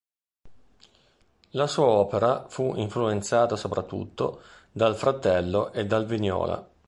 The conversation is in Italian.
La sua opera fu influenzata soprattutto dal fratello e dal Vignola.